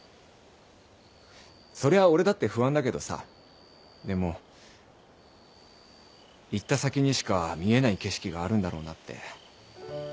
そりゃ俺だって不安だけどさでも行った先にしか見えない景色があるんだろうなって。